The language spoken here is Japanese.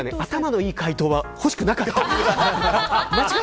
そういう頭のいい回答はほしくなかった。